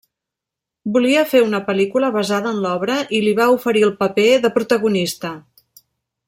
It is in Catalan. Volia fer una pel·lícula basada en l'obra i li va oferir el paper de protagonista.